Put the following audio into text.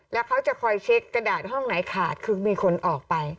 แล้วเขาจะคอยเช็คกระดาษห้องไหนขาดคือมีคนออกไป